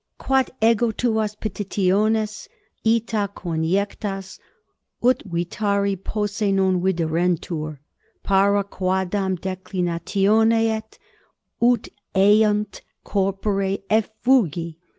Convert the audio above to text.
quot ego tuas petitiones ita coniectas, ut vitari posse non viderentur, parva quadam declinatione et, ut aiunt, corpore effugi!